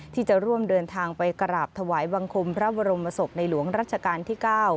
ที่จะร่วมเดินทางไปกราบถวายบังคมพระบรมศพในหลวงรัชกาลที่๙